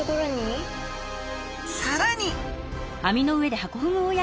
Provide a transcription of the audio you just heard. さらに！